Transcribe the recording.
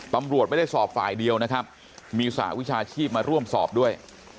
ตำรวจไม่ได้สอบฝ่ายเดียวนะครับมีสหวิชาชีพมาร่วมสอบด้วย